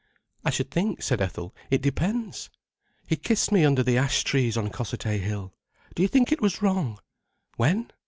"I should think," said Ethel, "it depends." "He kissed me under the ash trees on Cossethay hill—do you think it was wrong?" "When?"